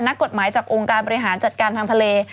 นักกฎหมายจากองค์การบริหารจัดการทางทะเล